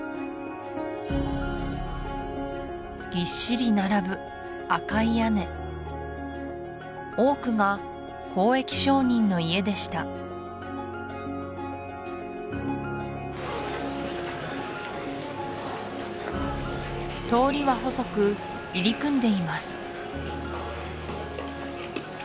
ぎっしり並ぶ赤い屋根多くが交易商人の家でした通りは細く入り組んでいます